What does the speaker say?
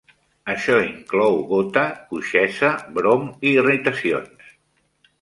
Això inclou gota, coixesa, brom i irritacions.